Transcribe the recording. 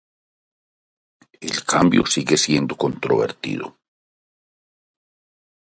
El cambio sigue siendo controvertido.